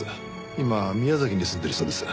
今宮崎に住んでいるそうです。